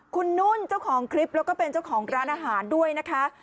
คุณนุ่นเจ้าของคลิปแล้วก็เป็นเจ้าของร้านอาหารด้วยนะคะ